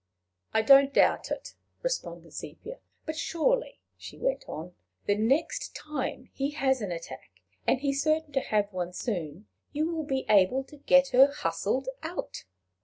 "I don't doubt it," responded Sepia. "But surely," she went on, "the next time he has an attack, and he's certain to have one soon, you will be able to get her hustled out!"